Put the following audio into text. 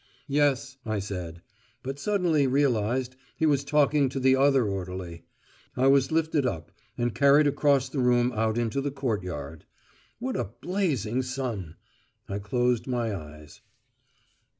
"Yes," I said, but suddenly realised he was talking to the other orderly. I was lifted up, and carried across the room out into the courtyard. What a blazing sun! I closed my eyes.